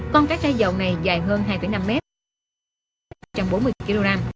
con cá trà dầu này dài hơn hai năm mét trang bốn mươi kg